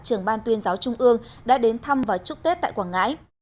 trưởng ban tuyên giáo trung ương đã đến thăm và chúc tết tại quảng ngãi